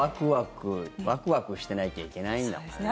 ワクワクしてなきゃいけないんだもんね。